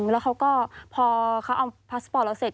แล้วเขาก็พอเขาเอาพาสปอร์ตเราเสร็จ